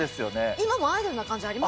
今もアイドルな感じあります？